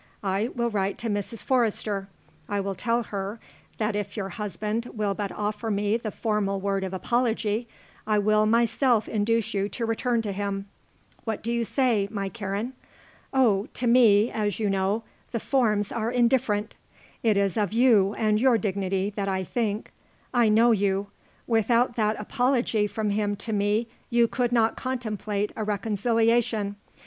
I will write to Mrs. Forrester. I will tell her that if your husband will but offer me the formal word of apology I will myself induce you to return to him. What do you say, my Karen? Oh, to me, as you know, the forms are indifferent; it is of you and your dignity that I think. I know you; without that apology from him to me you could not contemplate a reconciliation.